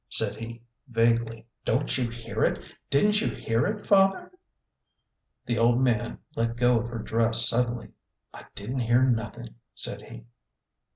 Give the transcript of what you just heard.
said he, vaguely. " Don't you hear it ? Didn't you hear it, father ?" The old man let go of her dress suddenly. " I didn't hear nothin'," said he.